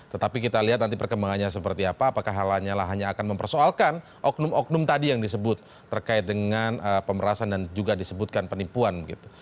tetapi kita lihat nanti perkembangannya seperti apa apakah hal lanyala hanya akan mempersoalkan oknum oknum tadi yang disebut terkait dengan pemerasan dan juga disebutkan penipuan gitu